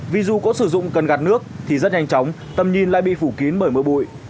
vì dù có sử dụng cần gạt nước thì rất nhanh chóng tầm nhìn lại bị phủ kín bởi mưa bụi